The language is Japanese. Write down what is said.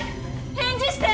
返事して。